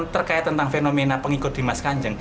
terkait tentang fenomena pengikulasi